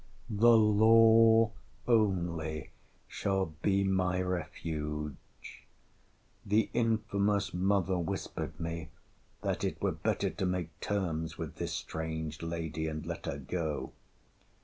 —— 'The LAW only shall be my refuge!'—— The infamous mother whispered me, that it were better to make terms with this strange lady, and let her go.